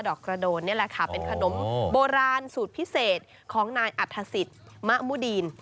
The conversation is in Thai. กระโดนนี่แหละค่ะเป็นขนมโบราณสูตรพิเศษของนายอัฐศิษย์มะมุดีน